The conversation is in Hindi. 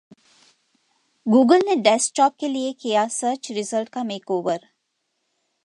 गूगल ने डेस्कटॉप के लिए किया सर्च रिजल्ट का मेकओवर